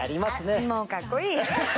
あっもうかっこいい。